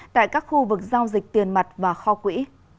tại các khu vực giao dịch tiền mặt và kho quỹ